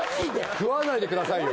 食わないでくださいよ。